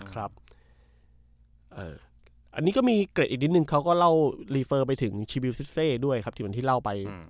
นะครับเอออันนี้ก็มีเกรดอีกนิดหนึ่งเขาก็เล่าไปถึงด้วยครับที่มันที่เล่าไปอืม